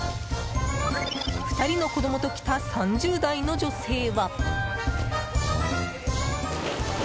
２人の子供と来た３０代の女性は。